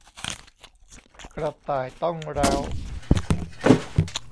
กระต่ายต้องแร้ว